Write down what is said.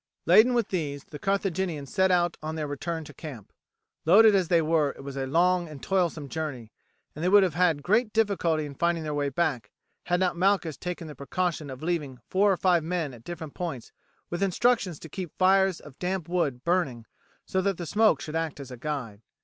Laden with these the Carthaginians set out on their return to camp. Loaded as they were it was a long and toilsome journey, and they would have had great difficulty in finding their way back had not Malchus taken the precaution of leaving four or five men at different points with instructions to keep fires of damp wood burning so that the smoke should act as a guide.